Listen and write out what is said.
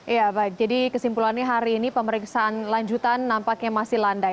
ya baik jadi kesimpulannya hari ini pemeriksaan lanjutan nampaknya masih landai